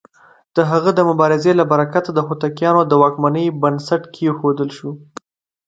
د هغه د مبارزې له برکته د هوتکيانو د واکمنۍ بنسټ کېښودل شو.